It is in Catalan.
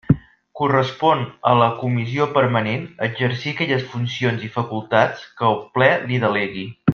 Correspon a la Comissió Permanent exercir aquelles funcions i facultats que el Ple li delegui.